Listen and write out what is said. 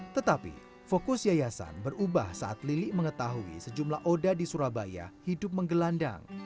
tetapi fokus yayasan berubah saat lili mengetahui sejumlah oda di surabaya hidup menggelandang